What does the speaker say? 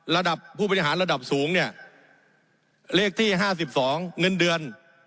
ระดับผู้บริหารระดับสูงเนี่ยเลขที่๕๒เงินเดือน